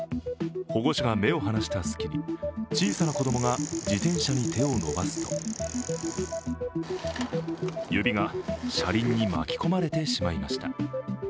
保護者が目を離したすきに小さな子供が自転車に手を伸ばすと指が車輪に巻き込まれてしまいました。